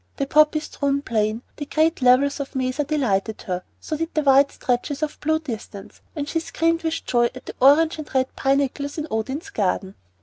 The poppy strewn plain, the green levels of the mesa delighted her; so did the wide stretches of blue distance, and she screamed with joy at the orange and red pinnacles in Odin's Garden.